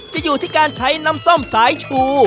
จะอยู่ที่การใช้น้ำส้มสายชู